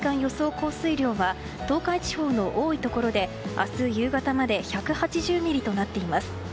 降水量は東海地方の多いところで明日夕方まで１８０ミリとなっています。